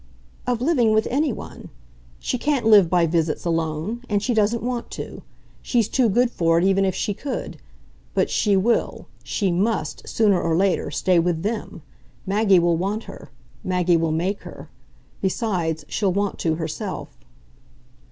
"Of living with anyone. She can't live by visits alone and she doesn't want to. She's too good for it even if she could. But she will she MUST, sooner or later stay with THEM. Maggie will want her Maggie will make her. Besides, she'll want to herself."